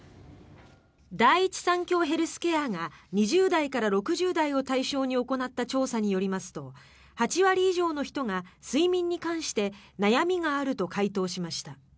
第一三共ヘルスケアが２０代から６０代を対象に行った調査によりますと８割以上の人が睡眠に関して悩みがあると回答しました。